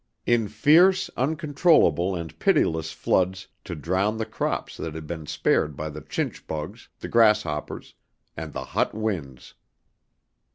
In fierce, uncontrollable and pitiless floods to drown the crops that had been spared by the chinch bugs, the grasshoppers and the Hot Winds.